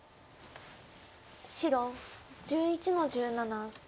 白１１の十七。